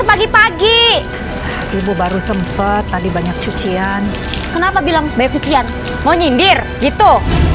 pagi pagi ibu baru sempet tadi banyak cucian kenapa bilang baik cucian mau nyindir gitu